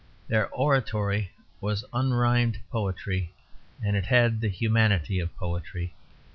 Their oratory was unrhymed poetry, and it had the humanity of poetry.